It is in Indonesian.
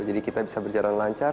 jadi kita bisa berjalan lancar